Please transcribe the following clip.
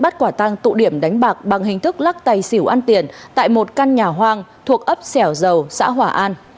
tụ điểm đánh bạc bằng hình thức lắc tài xỉu ăn tiền tại một căn nhà hoang thuộc ấp sẻo dầu xã hỏa an